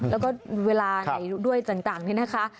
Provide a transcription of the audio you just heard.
แล้วก็เวลาไหนด้วยต่างนี่นะคะ